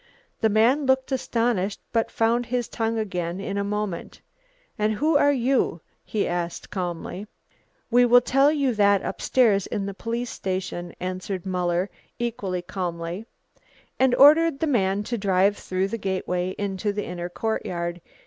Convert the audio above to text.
The man looked astonished but found his tongue again in a moment. "And who are you?" he asked calmly. "We will tell you that upstairs in the police station," answered Muller equally calmly, and ordered the man to drive through the gateway into the inner courtyard.